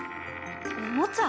おもちゃ？